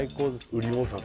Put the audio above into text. うり坊さん